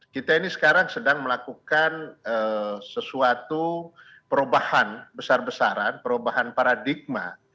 kita ini sekarang sedang melakukan sesuatu perubahan besar besaran perubahan paradigma